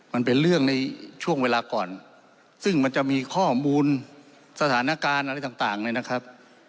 มันเป็นเรื่องในช่วงเวลาก่อนซึ่งมันจะมีข้อมูลสถานการณ์อะไรต่างเนี่ยนะครับ